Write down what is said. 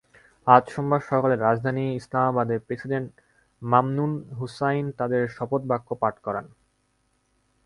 আজ সোমবার সকালে রাজধানী ইসলামাবাদে প্রেসিডেন্ট মামনুন হুসাইন তাঁদের শপথবাক্য পাঠ করান।